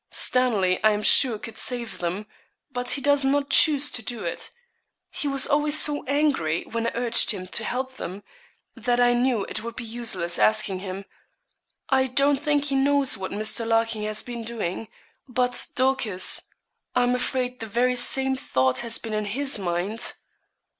Stanley I am sure could save them; but he does not choose to do it. He was always so angry when I urged him to help them, that I knew it would be useless asking him; I don't think he knows what Mr. Larkin has been doing; but, Dorcas, I am afraid the very same thought has been in his mind.'